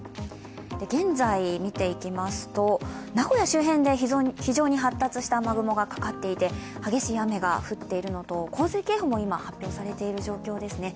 現在見ていきますと、名古屋周辺で非常に発達した雨雲がかかっていて激しい雨が降っているのと洪水警報も今、発表されている状況ですね。